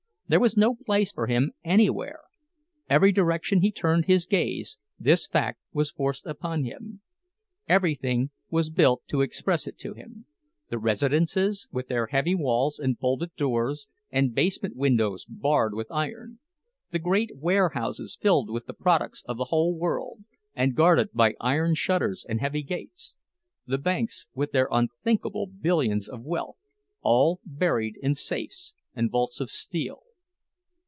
There was no place for him anywhere—every direction he turned his gaze, this fact was forced upon him: Everything was built to express it to him: the residences, with their heavy walls and bolted doors, and basement windows barred with iron; the great warehouses filled with the products of the whole world, and guarded by iron shutters and heavy gates; the banks with their unthinkable billions of wealth, all buried in safes and vaults of steel.